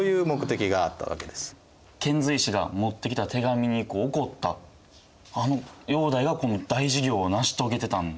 遣隋使が持ってきた手紙に怒ったあの煬帝がこの大事業を成し遂げてたんですね。